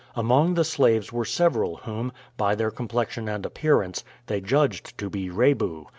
Among the slaves were several whom, by their complexion and appearance, they judged to be Rebu.